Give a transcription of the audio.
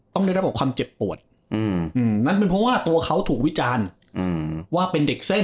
ต้องได้รับออกความเจ็บปวดนั้นเป็นเพราะว่าตัวเขาถูกวิจารณ์ว่าเป็นเด็กเส้น